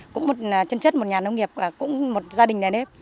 cũng một chân chất một nhà nông nghiệp và cũng một gia đình này đấy